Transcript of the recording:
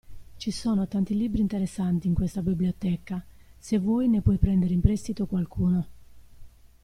Ci sono tanti libri interessanti in questa biblioteca, se vuoi ne puoi prendere in prestito qualcuno.